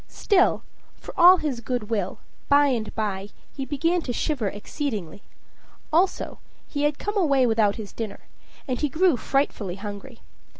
Still, for all his good will, by and by, he began to shiver exceedingly; also, he had come away without his dinner, and he grew frightfully hungry.